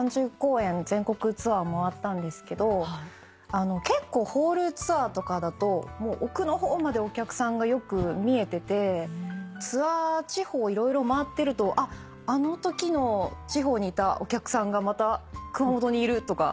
ツアー回ったんですけど結構ホールツアーとかだと奥の方までお客さんがよく見えててツアー地方色々回ってるとあっあのときの地方にいたお客さんがまた熊本にいるとか。